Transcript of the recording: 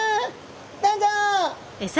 どうぞ！